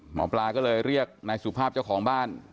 หมอปลาก็เลยเรียกนายสุภาพเจ้าของบ้าน